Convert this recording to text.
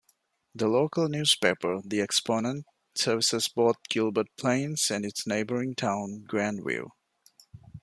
The local newspaper, The Exponent, services both Gilbert Plains and its neighboring town, Grandview.